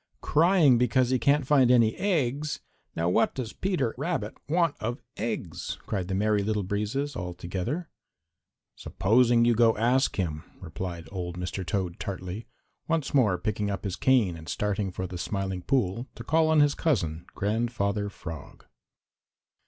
"Crying because he cannot find any eggs! Now what does Peter Rabbit want of eggs?" cried the Merry Little Breezes all together. "Supposing you go ask him," replied old Mr. Toad tartly, once more picking up his cane and starting for the Smiling Pool to call on his cousin, Grandfather Frog.